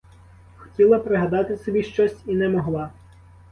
Хотіла пригадати собі щось і не могла.